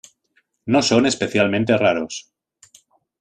No son especialmente raros.